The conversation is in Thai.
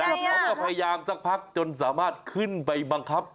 เขาก็พยายามสักพักจนสามารถขึ้นไปบังคับ